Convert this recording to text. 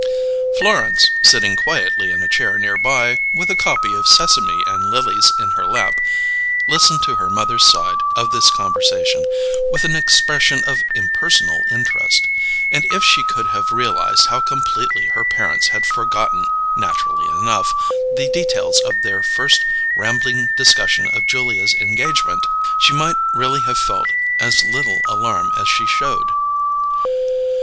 Florence, sitting quietly in a chair near by, with a copy of "Sesame and Lilies" in her lap, listened to her mother's side of this conversation with an expression of impersonal interest; and if she could have realized how completely her parents had forgotten (naturally enough) the details of their first rambling discussion of Julia's engagement, she might really have felt as little alarm as she showed.